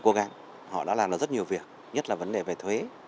họ đã cố gắng họ đã làm được rất nhiều việc nhất là vấn đề về thuế